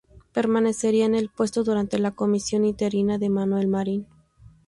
Permanecería en el puesto durante la comisión interina de Manuel Marín.